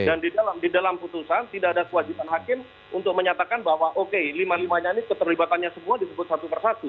dan di dalam putusan tidak ada kewajiban hakim untuk menyatakan bahwa oke lima limanya ini keterlibatannya semua disebut satu persatu